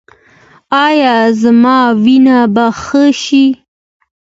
ایا زما وینه به ښه شي؟